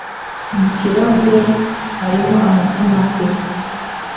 Mu kirahure harimo amata make.